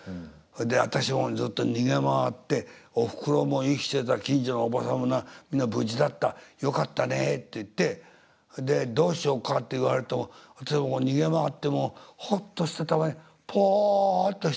私もずっと逃げ回っておふくろも生きてた近所のおばさんもみんな無事だった「よかったね」って言ってそれで「どうしようか」って言われても私も逃げ回ってほっとしてポッとしてたんだね